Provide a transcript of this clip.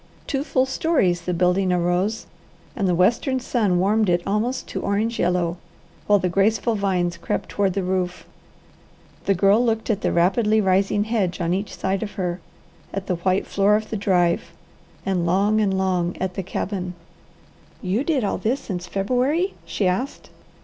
Two full stories the building arose, and the western sun warmed it almost to orange yellow, while the graceful vines crept toward the roof. The Girl looked at the rapidly rising hedge on each side of her, at the white floor of the drive, and long and long at the cabin. "You did all this since February?" she asked.